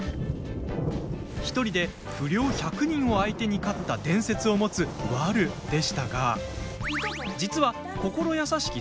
１人で不良１００人を相手に勝った伝説を持つワルでしたが実は、心優しき